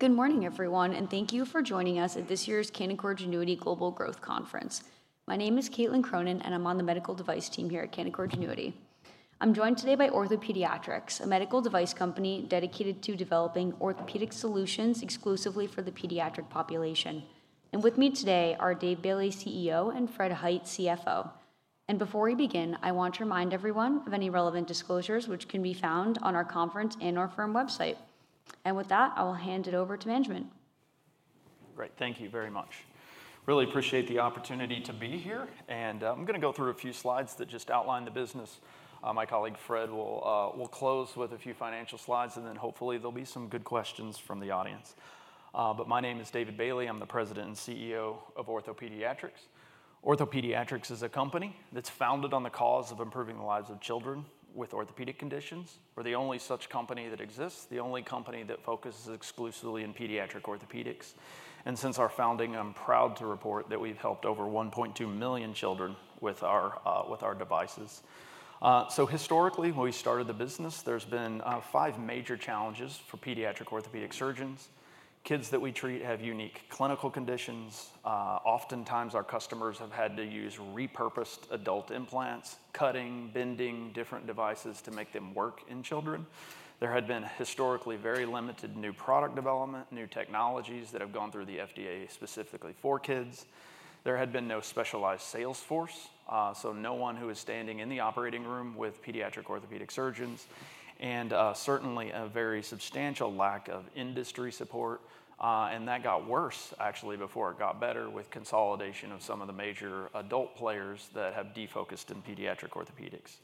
Good morning, everyone, and thank you for joining us at this year's Canaccord Genuity Global Growth Conference. My name is Caitlin Cronin, and I'm on the Medical Device team here at Canaccord Genuity. I'm joined today by OrthoPediatrics Corp., a medical device company dedicated to developing orthopedic solutions exclusively for the pediatric population. With me today are Dave Bailey, CEO, and Fred Hite, CFO. Before we begin, I want to remind everyone of any relevant disclosures which can be found on our conference and our firm website. With that, I will hand it over to management. Great. Thank you very much. Really appreciate the opportunity to be here. I'm going to go through a few slides that just outline the business. My colleague Fred will close with a few financial slides, and then hopefully there'll be some good questions from the audience. My name is Dave Bailey. I'm the President and CEO of OrthoPediatrics Corp. OrthoPediatrics Corp. is a company that's founded on the cause of improving the lives of children with orthopedic conditions. We're the only such company that exists, the only company that focuses exclusively on pediatric orthopedics. Since our founding, I'm proud to report that we've helped over 1.2 million children with our devices. Historically, when we started the business, there's been five major challenges for pediatric orthopedic surgeons. Kids that we treat have unique clinical conditions. Oftentimes, our customers have had to use repurposed adult implants, cutting, bending different devices to make them work in children. There had been historically very limited new product development, new technologies that have gone through the FDA specifically for kids. There had been no specialized sales force, no one who is standing in the operating room with pediatric orthopedic surgeons, and certainly a very substantial lack of industry support. That got worse, actually, before it got better with consolidation of some of the major adult players that have defocused in pediatric orthopedics.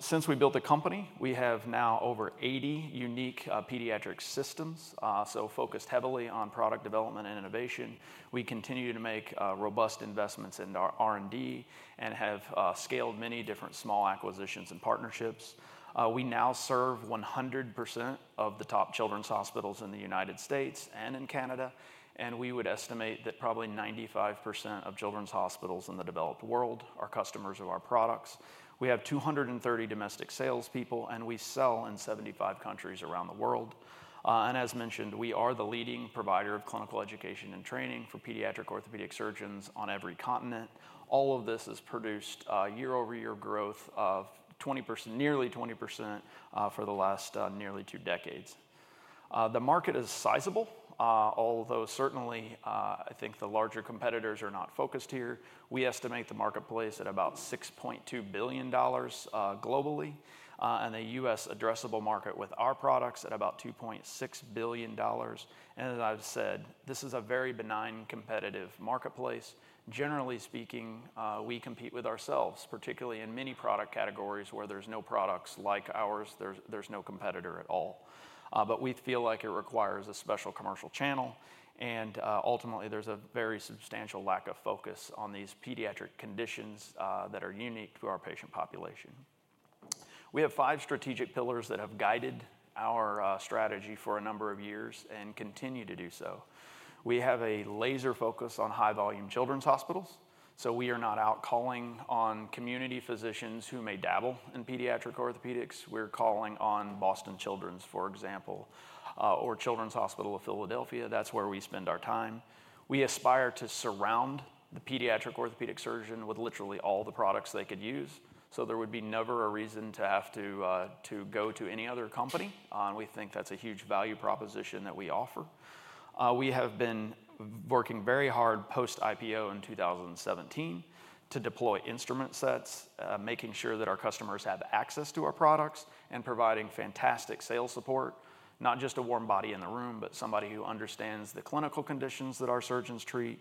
Since we built the company, we have now over 80 unique pediatric systems, focused heavily on product development and innovation. We continue to make robust investments in our R&D and have scaled many different small acquisitions and partnerships. We now serve 100% of the top children's hospitals in the United States and in Canada. We would estimate that probably 95% of children's hospitals in the developed world are customers of our products. We have 230 domestic salespeople, and we sell in 75 countries around the world. As mentioned, we are the leading provider of clinical education and training for pediatric orthopedic surgeons on every continent. All of this has produced year-over-year growth of 20%, nearly 20% for the last nearly two decades. The market is sizable, although certainly I think the larger competitors are not focused here. We estimate the marketplace at about $6.2 billion globally, and the U.S. addressable market with our products at about $2.6 billion. As I've said, this is a very benign competitive marketplace. Generally speaking, we compete with ourselves, particularly in many product categories where there's no products like ours. There's no competitor at all. We feel like it requires a special commercial channel. Ultimately, there's a very substantial lack of focus on these pediatric conditions that are unique to our patient population. We have five strategic pillars that have guided our strategy for a number of years and continue to do so. We have a laser focus on high-volume children's hospitals. We are not out calling on community physicians who may dabble in pediatric orthopedics. We're calling on Boston Children's, for example, or Children's Hospital of Philadelphia. That's where we spend our time. We aspire to surround the pediatric orthopedic surgeon with literally all the products they could use. There would be never a reason to have to go to any other company. We think that's a huge value proposition that we offer. We have been working very hard post-IPO in 2017 to deploy instrument sets, making sure that our customers have access to our products and providing fantastic sales support, not just a warm body in the room, but somebody who understands the clinical conditions that our surgeons treat.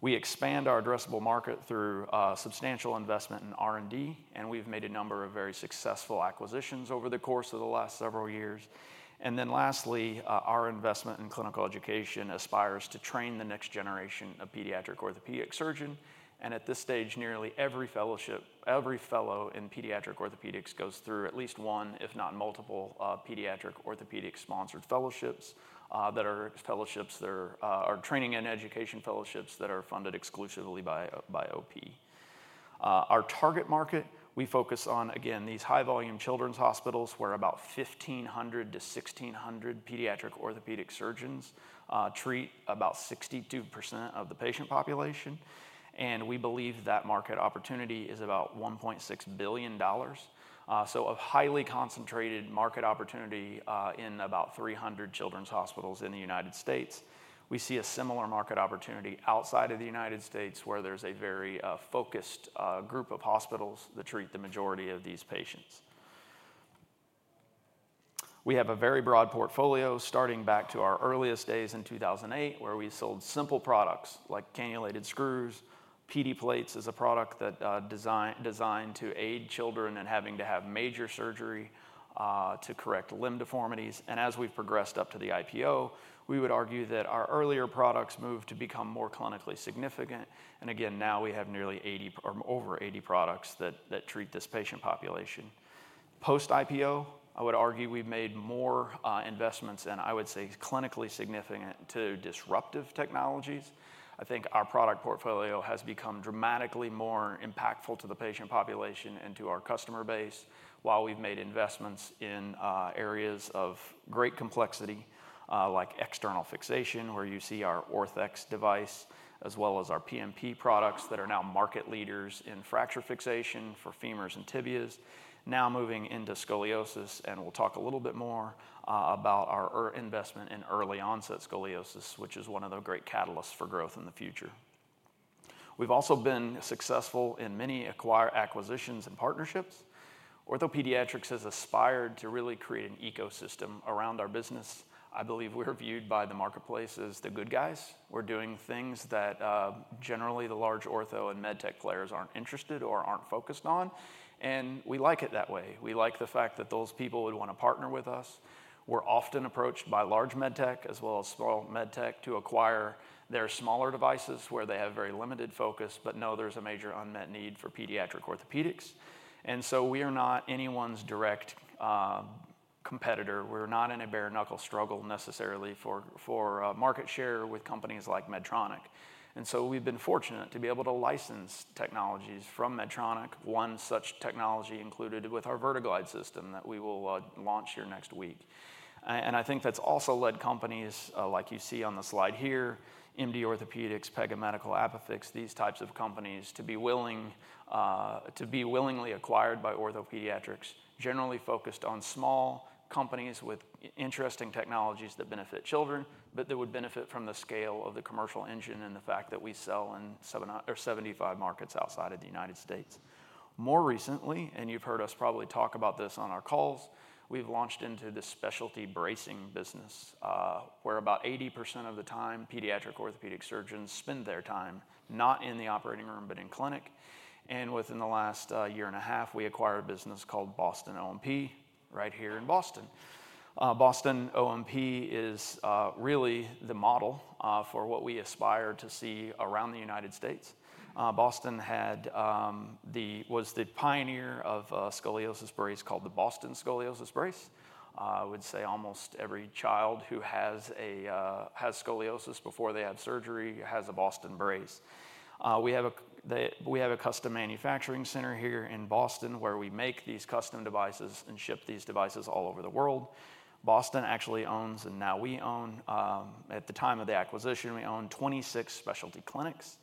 We expand our addressable market through substantial investment in R&D, and we've made a number of very successful acquisitions over the course of the last several years. Lastly, our investment in clinical education aspires to train the next generation of pediatric orthopedic surgeons. At this stage, nearly every fellowship, every fellow in pediatric orthopedics goes through at least one, if not multiple, pediatric orthopedic sponsored fellowships that are fellowships that are training and education fellowships that are funded exclusively by OP. Our target market, we focus on, again, these high-volume children's hospitals where about 1,500 - 1,600 pediatric orthopedic surgeons treat about 62% of the patient population. We believe that market opportunity is about $1.6 billion. A highly concentrated market opportunity in about 300 children's hospitals in the United States. We see a similar market opportunity outside of the United States. where there's a very focused group of hospitals that treat the majority of these patients. We have a very broad portfolio starting back to our earliest days in 2008, where we sold simple products like cannulated screws. PD plates is a product that is designed to aid children in having to have major surgery to correct limb deformities. As we've progressed up to the IPO, we would argue that our earlier products moved to become more clinically significant. Now we have nearly 80 or over 80 products that treat this patient population. Post-IPO, I would argue we've made more investments in, I would say, clinically significant disruptive technologies. I think our product portfolio has become dramatically more impactful to the patient population and to our customer base, while we've made investments in areas of great complexity like external fixation, where you see our Orthex device as well as our PMP products that are now market leaders in fracture fixation for femurs and tibias, now moving into scoliosis. We'll talk a little bit more about our investment in early-onset scoliosis, which is one of the great catalysts for growth in the future. We've also been successful in many acquisitions and partnerships. OrthoPediatrics has aspired to really create an ecosystem around our business. I believe we're viewed by the marketplace as the good guys. We're doing things that generally the large ortho and medtech players aren't interested or aren't focused on. We like it that way. We like the fact that those people would want to partner with us. We're often approached by large medtech as well as small medtech to acquire their smaller devices where they have very limited focus, but know there's a major unmet need for pediatric orthopedics. We are not anyone's direct competitor. We're not in a bare-knuckle struggle necessarily for market share with companies like Medtronic. We've been fortunate to be able to license technologies from Medtronic, one such technology included with our Vertiglide system that we will launch here next week. I think that's also led companies like you see on the slide here, MD Orthopaedics, Pega Medical, ApiFix, these types of companies to be willingly acquired by OrthoPediatrics, generally focused on small companies with interesting technologies that benefit children, but that would benefit from the scale of the commercial engine and the fact that we sell in 75 markets outside of the United States. More recently, and you've heard us probably talk about this on our calls, we've launched into the specialty bracing business, where about 80% of the time, pediatric orthopedic surgeons spend their time not in the operating room, but in clinic. Within the last year and a half, we acquired a business called Boston OMP right here in Boston. Boston OMP is really the model for what we aspire to see around the United States. Boston was the pioneer of a scoliosis brace called the Boston Scoliosis Brace. I would say almost every child who has scoliosis before they have surgery has a Boston brace. We have a custom manufacturing center here in Boston where we make these custom devices and ship these devices all over the world. Boston actually owns, and now we own, at the time of the acquisition, we owned 26 specialty clinics.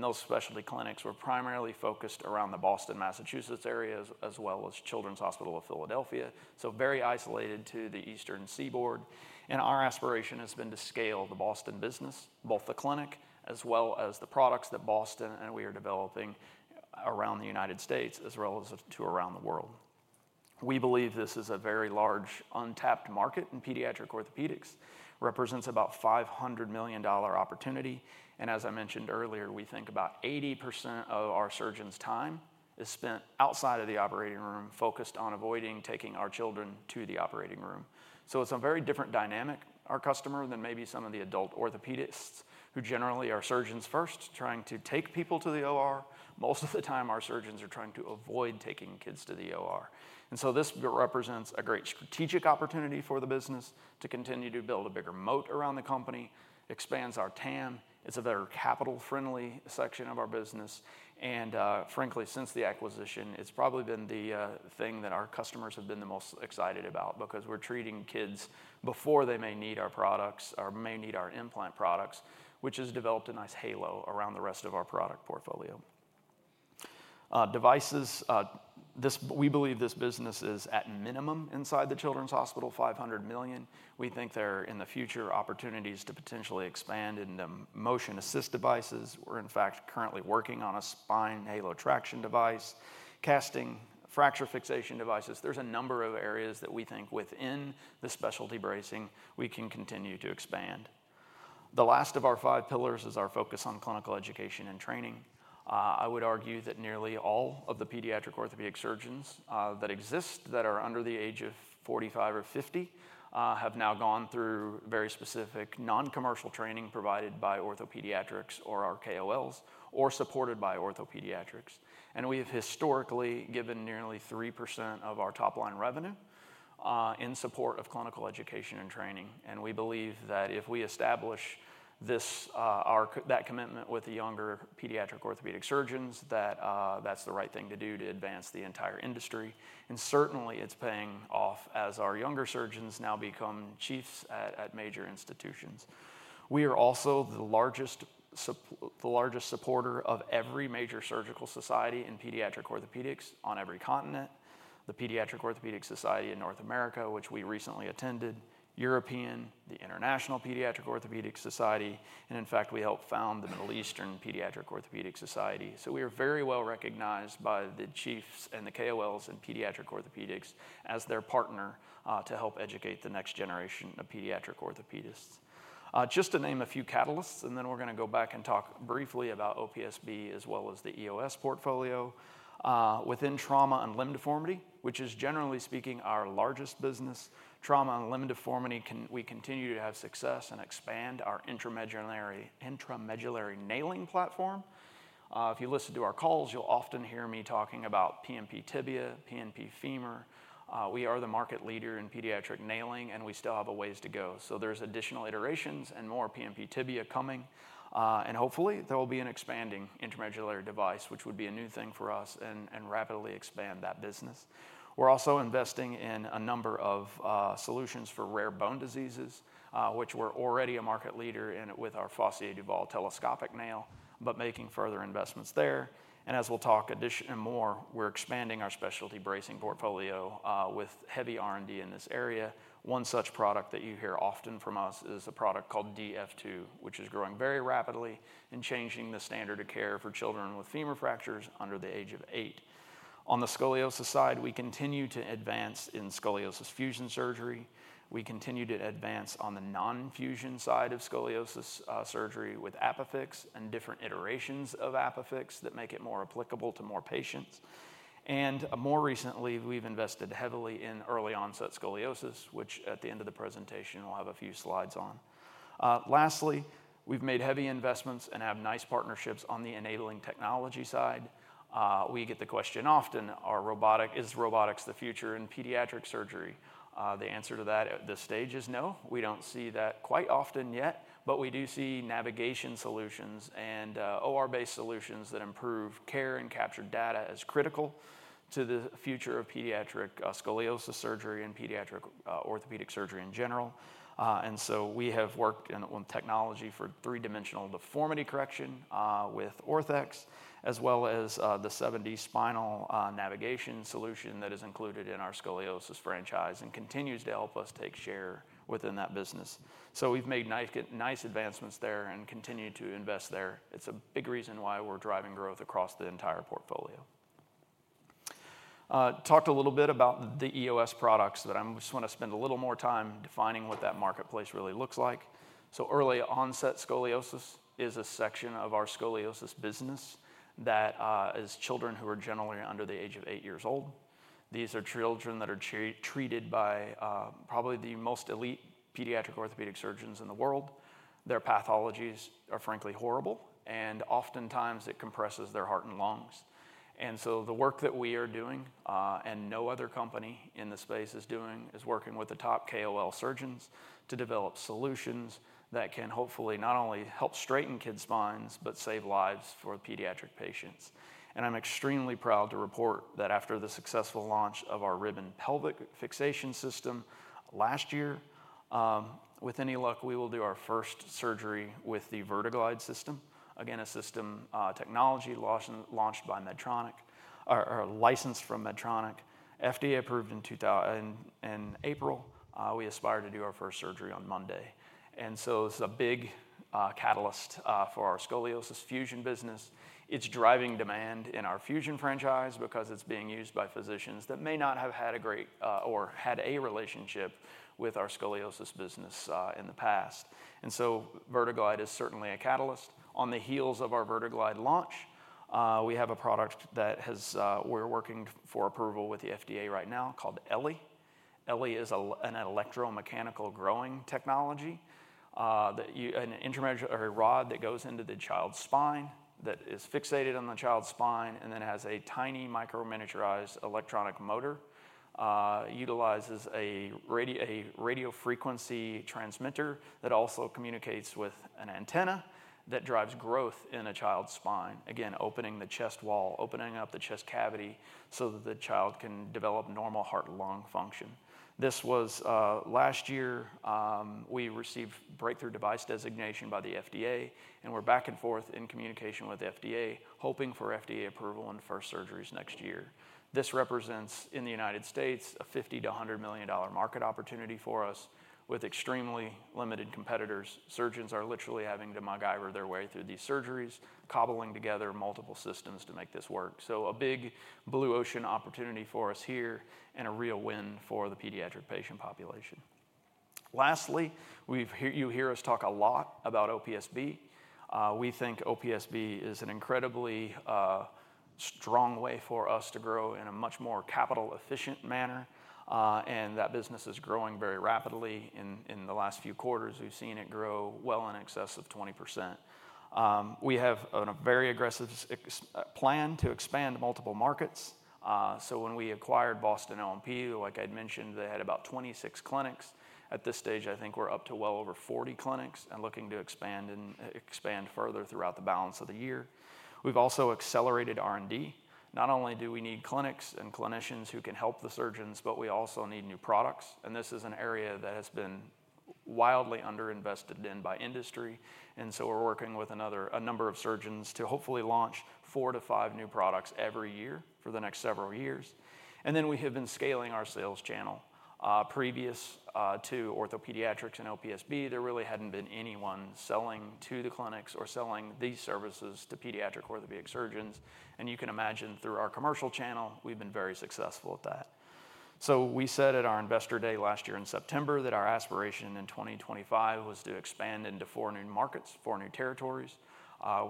Those specialty clinics were primarily focused around the Boston, Massachusetts area, as well as Children's Hospital of Philadelphia, very isolated to the Eastern Seaboard. Our aspiration has been to scale the Boston business, both the clinic as well as the products that Boston and we are developing around the United States as relative to around the world. We believe this is a very large untapped market in pediatric orthopedics, represents about a $500 million opportunity. As I mentioned earlier, we think about 80% of our surgeons' time is spent outside of the operating room, focused on avoiding taking our children to the operating room. It's a very different dynamic, our customer, than maybe some of the adult orthopedists who generally are surgeons first trying to take people to the OR. Most of the time, our surgeons are trying to avoid taking kids to the OR. This represents a great strategic opportunity for the business to continue to build a bigger moat around the company, expands our TAM, is a very capital-friendly section of our business. Frankly, since the acquisition, it's probably been the thing that our customers have been the most excited about because we're treating kids before they may need our products or may need our implant products, which has developed a nice halo around the rest of our product portfolio. Devices, we believe this business is at minimum inside the Children's Hospital, $500 million. We think there are in the future opportunities to potentially expand into motion-assist devices. We're, in fact, currently working on a spine halo traction device, casting fracture fixation devices. There are a number of areas that we think within the specialty bracing we can continue to expand. The last of our five pillars is our focus on clinical education and training. I would argue that nearly all of the pediatric orthopedic surgeons that exist that are under the age of 45 or 50 have now gone through very specific non-commercial training provided by OrthoPediatrics or our KOLs or supported by OrthoPediatrics. We have historically given nearly 3% of our top-line revenue in support of clinical education and training. We believe that if we establish that commitment with the younger pediatric orthopedic surgeons, that's the right thing to do to advance the entire industry. It is certainly paying off as our younger surgeons now become chiefs at major institutions. We are also the largest supporter of every major surgical society in pediatric orthopedics on every continent, the Pediatric Orthopedic Society in North America, which we recently attended, European, the International Pediatric Orthopedic Society, and in fact, we helped found the Middle Eastern Pediatric Orthopedic Society. We are very well recognized by the chiefs and the KOLs in pediatric orthopedics as their partner to help educate the next generation of pediatric orthopedists. Just to name a few catalysts, we are going to go back and talk briefly about OPSB as well as the EOS portfolio. Within trauma and limb deformity, which is generally speaking our largest business, trauma and limb deformity, we continue to have success and expand our intramedullary nailing platform. If you listen to our calls, you'll often hear me talking about PMP tibia, PMP femur. We are the market leader in pediatric nailing, and we still have a ways to go. There are additional iterations and more PMP tibia coming. Hopefully, there will be an expanding intramedullary device, which would be a new thing for us and rapidly expand that business. We are also investing in a number of solutions for rare bone diseases, which we are already a market leader in with our Fossey-Duval telescopic nail, but making further investments there. As we'll talk additionally more, we are expanding our specialty bracing portfolio with heavy R&D in this area. One such product that you hear often from us is a product called DF2, which is growing very rapidly and changing the standard of care for children with femur fractures under the age of 8. On the scoliosis side, we continue to advance in scoliosis fusion surgery. We continue to advance on the non-fusion side of scoliosis surgery with ApiFix and different iterations of ApiFix that make it more applicable to more patients. More recently, we've invested heavily in early-onset scoliosis, which at the end of the presentation, we'll have a few slides on. Lastly, we've made heavy investments and have nice partnerships on the enabling technology side. We get the question often, is robotics the future in pediatric surgery? The answer to that at this stage is no. We don't see that quite often yet, but we do see navigation solutions and OR-based solutions that improve care and capture data as critical to the future of pediatric scoliosis surgery and pediatric orthopedic surgery in general. We have worked on technology for three-dimensional deformity correction with Orthex, as well as the 7D navigation system that is included in our scoliosis franchise and continues to help us take share within that business. We've made nice advancements there and continue to invest there. It's a big reason why we're driving growth across the entire portfolio. Talked a little bit about the EOS products, but I just want to spend a little more time defining what that marketplace really looks like. Early-onset scoliosis is a section of our scoliosis business that is children who are generally under the age of eight years old. These are children that are treated by probably the most elite pediatric orthopedic surgeons in the world. Their pathologies are frankly horrible, and oftentimes it compresses their heart and lungs. The work that we are doing and no other company in the space is doing is working with the top KOL surgeons to develop solutions that can hopefully not only help straighten kids' spines, but save lives for pediatric patients. I'm extremely proud to report that after the successful launch of our ribbon pelvic fixation system last year, with any luck, we will do our first surgery with the VertiGlide system. Again, a system technology launched by Medtronic or licensed from Medtronic, FDA approved in April. We aspire to do our first surgery on Monday. It's a big catalyst for our scoliosis fusion business. It's driving demand in our fusion franchise because it's being used by physicians that may not have had a great or had a relationship with our scoliosis business in the past. VertiGlide is certainly a catalyst. On the heels of our Vertiglide launch, we have a product that we're working for approval with the FDA right now called ELLY. ELLY is an electromechanical growing technology, an intramedullary rod that goes into the child's spine, that is fixated on the child's spine, and then has a tiny microminiaturized electronic motor, utilizes a radiofrequency transmitter that also communicates with an antenna that drives growth in a child's spine, again, opening the chest wall, opening up the chest cavity so that the child can develop normal heart-lung function. This was last year. We received breakthrough device designation by the FDA, and we're back and forth in communication with the FDA, hoping for FDA approval in first surgeries next year. This represents, in the United States., a $50 - $100 million market opportunity for us with extremely limited competitors. Surgeons are literally having to MacGyver their way through these surgeries, cobbling together multiple systems to make this work. A big blue ocean opportunity for us here and a real win for the pediatric patient population. Lastly, you hear us talk a lot about OPSB. We think OPSB is an incredibly strong way for us to grow in a much more capital-efficient manner. That business is growing very rapidly. In the last few quarters, we've seen it grow well in excess of 20%. We have a very aggressive plan to expand multiple markets. When we acquired Boston OMP, like I'd mentioned, they had about 26 clinics. At this stage, I think we're up to well over 40 clinics and looking to expand and expand further throughout the balance of the year. We've also accelerated R&D. Not only do we need clinics and clinicians who can help the surgeons, but we also need new products. This is an area that has been wildly underinvested in by industry. We're working with a number of surgeons to hopefully launch four to five new products every year for the next several years. We have been scaling our sales channel. Previous to OrthoPediatrics and OPSB, there really hadn't been anyone selling to the clinics or selling these services to pediatric orthopedic surgeons. You can imagine through our commercial channel, we've been very successful at that. We said at our investor day last year in September that our aspiration in 2025 was to expand into four new markets, four new territories.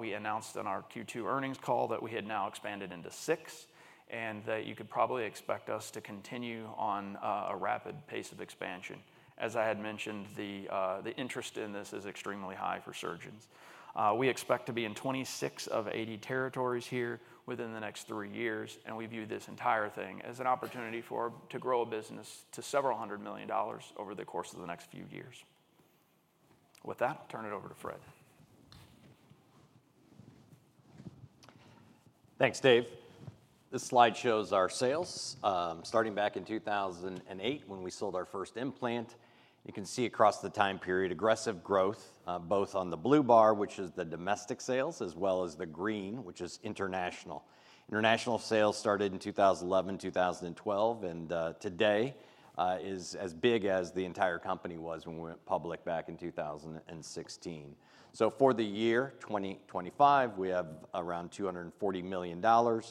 We announced in our Q2 earnings call that we had now expanded into six, and that you could probably expect us to continue on a rapid pace of expansion. As I had mentioned, the interest in this is extremely high for surgeons. We expect to be in 26 of 80 territories here within the next three years. We view this entire thing as an opportunity to grow a business to several hundred million dollars over the course of the next few years. With that, turn it over to Fred. Thanks, Dave. This slide shows our sales starting back in 2008 when we sold our first implant. You can see across the time period aggressive growth, both on the blue bar, which is the domestic sales, as well as the green, which is international. International sales started in 2011, 2012, and today is as big as the entire company was when we went public back in 2016. For the year 2025, we have around $240 million of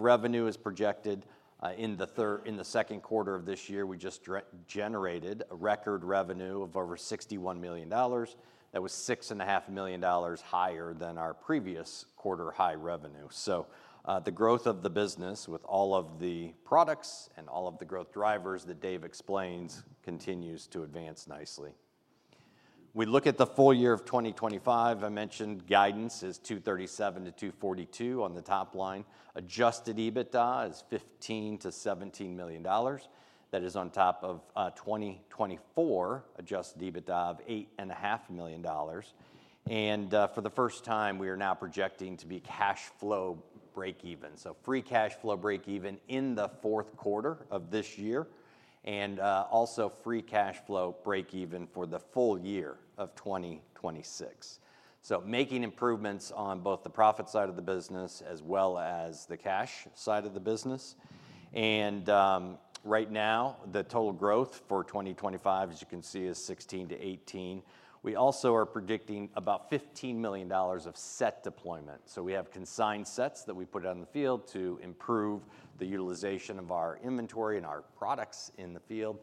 revenue projected. In the second quarter of this year, we just generated a record revenue of over $61 million. That was $6.5 million higher than our previous quarter high revenue. The growth of the business with all of the products and all of the growth drivers that Dave explains continues to advance nicely. We look at the full year of 2025. I mentioned guidance is $237 - $242 million on the top line. Adjusted EBITDA is $15 - $17 million. That is on top of 2024 adjusted EBITDA of $8.5 million. For the first time, we are now projecting to be cash flow break-even, so free cash flow break-even in the fourth quarter of this year and also free cash flow break-even for the full year of 2026. We are making improvements on both the profit side of the business as well as the cash side of the business. Right now, the total growth for 2025, as you can see, is $16 - $18 million. We also are predicting about $15 million of set deployment. We have consigned sets that we put on the field to improve the utilization of our inventory and our products in the field.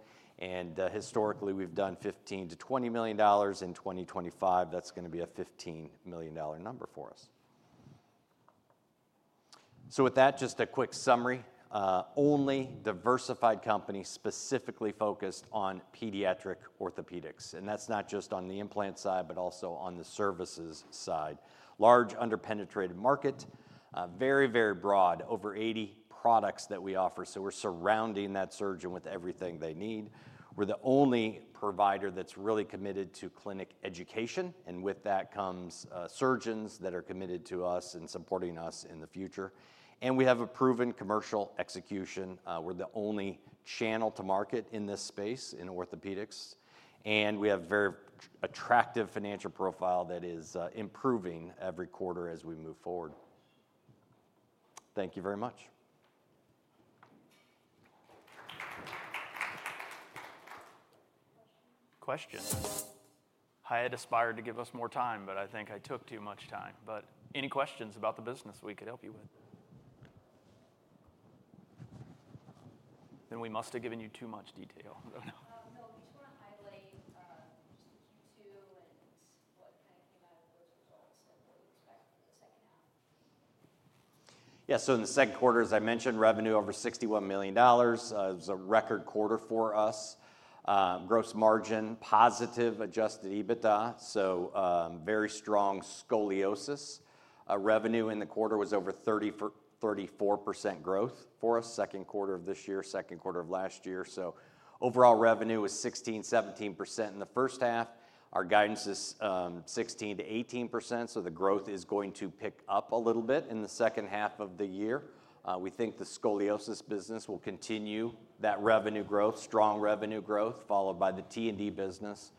Historically, we've done $15 - $20 million. In 2025, that's going to be a $15 million number for us. With that, just a quick summary, only diversified company specifically focused on pediatric orthopedics. That's not just on the implant side, but also on the services side. Large underpenetrated market, very, very broad, over 80 products that we offer. We're surrounding that surgeon with everything they need. We're the only provider that's really committed to clinic education. With that comes surgeons that are committed to us and supporting us in the future. We have a proven commercial execution. We're the only channel to market in this space in orthopedics. We have a very attractive financial profile that is improving every quarter as we move forward. Thank you very much. I had aspired to give us more time, but I think I took too much time. Any questions about the business we could help you with? We must have given you too much detail. No, I just want to highlight just the Q2 and what kind of came out of those results. Yeah, so in the second quarter, as I mentioned, revenue over $61 million. It was a record quarter for us. Gross margin positive, adjusted EBITDA, so very strong scoliosis. Revenue in the quarter was over 34% growth for us, second quarter of this year, second quarter of last year. Overall revenue was 16, 17% in the first half. Our guidance is 16 - 18%. The growth is going to pick up a little bit in the second half of the year. We think the scoliosis business will continue that revenue growth, strong revenue growth, followed by the T&D business.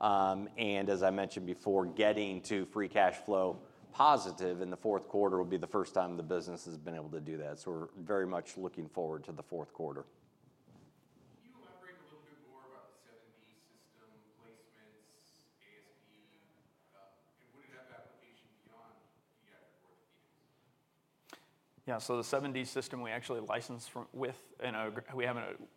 As I mentioned before, getting to free cash flow positive in the fourth quarter will be the first time the business has been able to do that. We're very much looking forward to the fourth quarter. Can you elaborate a little bit more about the 7D navigation system placements, ASP? Yeah, so the 7D navigation system we actually license with, and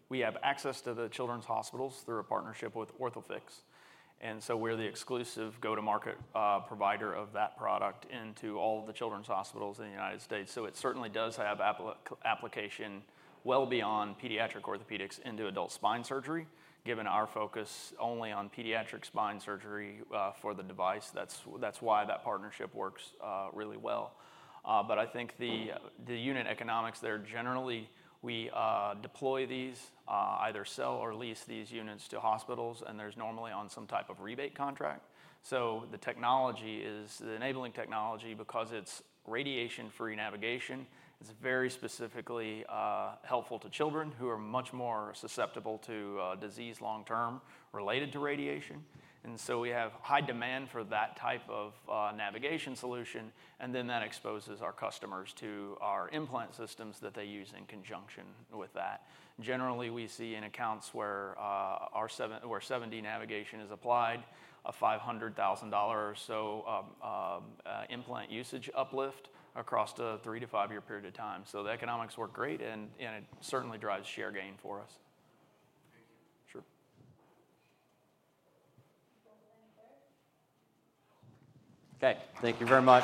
we have access to the children's hospitals through a partnership with OrthoFix. We're the exclusive go-to-market provider of that product into all of the children's hospitals in the United States. It certainly does have application well beyond pediatric orthopedics into adult spine surgery, given our focus only on pediatric spine surgery for the device. That's why that partnership works really well. I think the unit economics there, generally, we deploy these, either sell or lease these units to hospitals, and they're normally on some type of rebate contract. The technology is the enabling technology because it's radiation-free navigation. It's very specifically helpful to children who are much more susceptible to disease long-term related to radiation. We have high demand for that type of navigation solution. That exposes our customers to our implant systems that they use in conjunction with that. Generally, we see in accounts where 7D navigation is applied, a $500,000 or so implant usage uplift across a three to five-year period of time. The economics work great, and it certainly drives share gain for us. Sure. Okay, thank you very much.